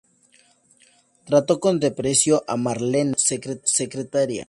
Trata con desprecio a Marlene, su secretaria.